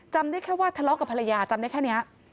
ได้แค่ว่าทะเลาะกับภรรยาจำได้แค่นี้